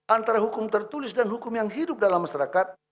antara hukum tertulis dan hukum yang hidup dalam masyarakat